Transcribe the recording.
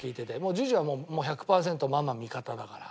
次女はもう１００パーセントママの味方だから。